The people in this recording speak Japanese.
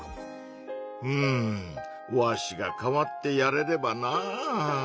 うんわしが代わってやれればなぁ。